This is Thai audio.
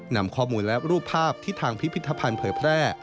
นำข้อมูลและรูปภาพที่ทางพิพิธภัณฑ์เผยแพร่